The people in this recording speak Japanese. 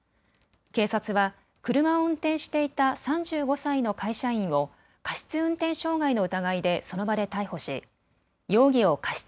警察は車を運転していた３５歳の会社員を過失運転傷害の疑いでその場で逮捕し容疑を過失